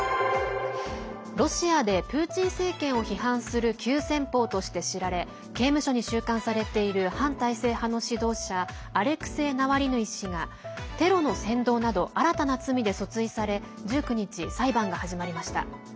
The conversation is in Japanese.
ロシアでプーチン政権を批判する急先ぽうとして知られ刑務所に収監されている反体制派の指導者アレクセイ・ナワリヌイ氏がテロの扇動など新たな罪で訴追され１９日、裁判が始まりました。